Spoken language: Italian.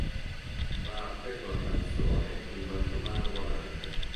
Parte con la canzone "Il Mantovano Volante".